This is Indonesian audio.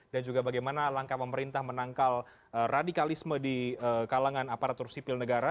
dan juga bagaimana langkah pemerintah menangkal radikalisme di kalangan aparatur sipil negara